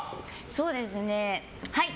そうですねはい！